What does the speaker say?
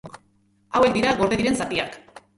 Hauek dira gorde diren zatiak.